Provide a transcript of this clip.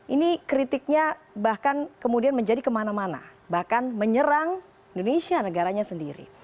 ini kritiknya bahkan kemudian menjadi kemana mana bahkan menyerang indonesia negaranya sendiri